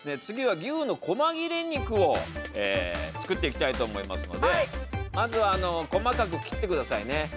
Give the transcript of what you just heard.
次は牛のこま切れ肉を作っていきたいと思いますのでまずはあの細かく切ってくださいね。